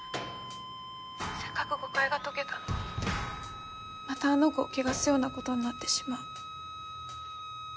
せっかく誤解が解けたのにまたあの子を汚すようなことになってしまう。